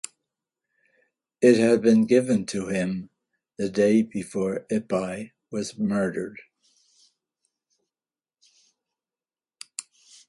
It had been given to him the day before Ippei was murdered.